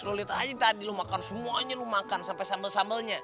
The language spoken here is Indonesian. lu lihat aja tadi lu makan semuanya lu makan sampai sambel sambelnya